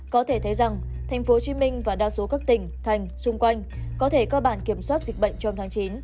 có thể thấy rằng tp hcm và đa số các tỉnh thành xung quanh có thể cơ bản kiểm soát dịch bệnh trong tháng chín